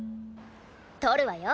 撮るわよ。